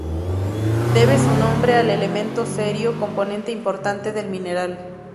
Debe su nombre al elemento cerio, componente importante del mineral.